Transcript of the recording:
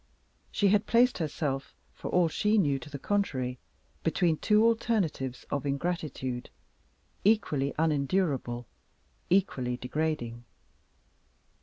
She had placed herself, for all she knew to the contrary, between two alternatives of ingratitude equally unendurable, equally degrading.